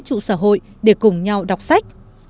chủ sở hội để cùng nhau đọc sách